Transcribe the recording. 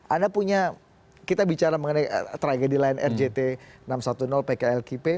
anda punya kita bicara mengenai tragedi lain rgt enam ratus sepuluh pklkp